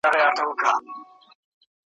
تر دوو سترګو یې بڅري غورځېدله `